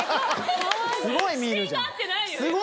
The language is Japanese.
すごい見るじゃん。